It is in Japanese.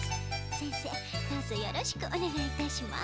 せんせいどうぞよろしくおねがいいたします。